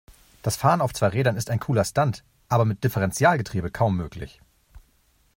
Das Fahren auf zwei Rädern ist ein cooler Stunt, aber mit Differentialgetriebe kaum möglich.